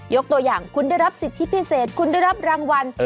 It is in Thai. ตัวอย่างคุณได้รับสิทธิพิเศษคุณได้รับรางวัล